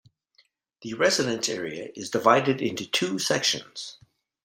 The residence area is divided into two sections.